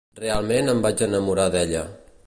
Realment em vaig enamorar d'ella.